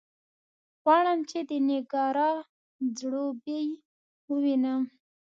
غواړم چې د نېګارا ځړوبی ووینم.